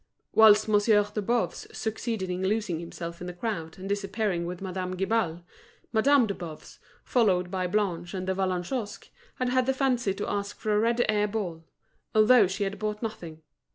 Whilst Monsieur de Boves succeeded in losing himself in the crowd and disappearing with Madame Guibal, Madame de Boves, followed by Blanche and De Vallagnosc, had had the fancy to ask for a red air ball, although she had bought nothing.